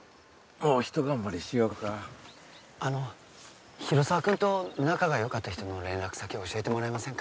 もうひと頑張りしよかあの広沢君と仲がよかった人の連絡先教えてもらえませんか？